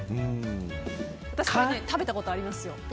私、食べたことありますよ。